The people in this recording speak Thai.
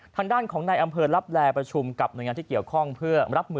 ทางด้านของนายอำเภอลับแลประชุมกับหน่วยงานที่เกี่ยวข้องเพื่อรับมือ